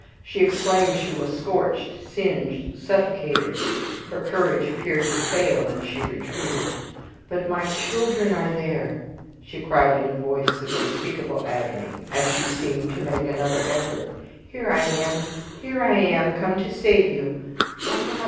She exclaimed she was scorched, singed, suffocated; her courage appeared to fail, and she retreated. "But my children are there!" she cried in a voice of unspeakable agony, as she seemed to make another effort; "here I am here I am come to save you. Oh God!